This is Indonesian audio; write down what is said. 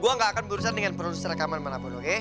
gue enggak akan berurusan dengan produser rekaman mana pun oke